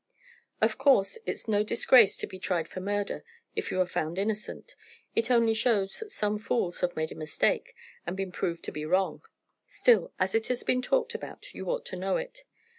Of course, it's no disgrace to be tried for murder if you are found innocent; it only shows that some fools have made a mistake, and been proved to be wrong. Still, as it has been talked about, you ought to know it.